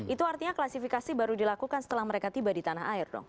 itu artinya klasifikasi baru dilakukan setelah mereka tiba di tanah air dong